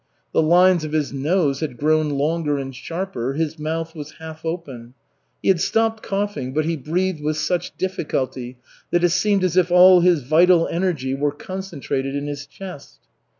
The lines of his nose had grown longer and sharper. His mouth was half open. He had stopped coughing, but he breathed with such difficulty that it seemed as if all his vital energy were concentrated in his chest.